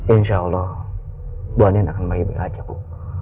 insya allah bu anin akan baik baik saja bu